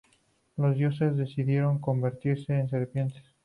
Los dioses decidieron convertirse en serpientes.